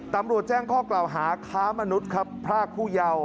ตำรวจแจ้งข้อกล่าวหาค้ามนุษย์ครับพรากผู้เยาว์